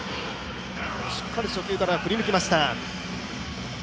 しっかり初球から振り抜きました。